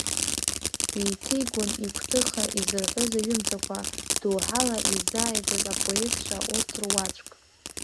Еиҭеигон игәҭыха изырҳәоз аҩымҭақәа, доуҳала изааигәаз апоетцәа урҭ руаӡәк.